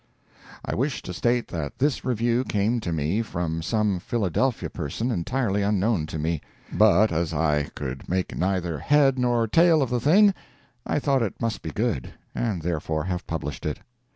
[I wish to state that this review came to me from some Philadelphia person entirely unknown to me; but as I could make neither head nor tail of the thing, I thought it must be good, and therefore have published it.